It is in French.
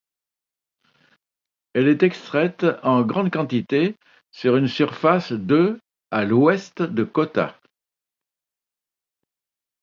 Elle est extraite en grande quantité sur une surface de à l'ouest de Kota.